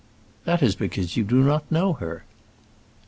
"That is because you do not know her."